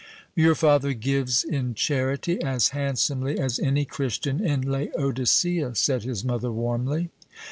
"Your father gives in charity as handsomely as any Christian in Laodicea," said his mother warmly.